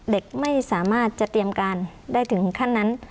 เด็กไม่สามารถจะเตรียมการได้ถึงขั้นนั้น